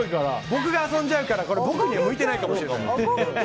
僕が遊んじゃうから僕には向いてないかも。